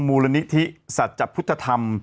มูลนิธิสัจพุทธธรรม